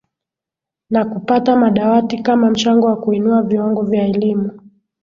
Na kupata madawati kama mchango wa kuinua viwango vya elimu.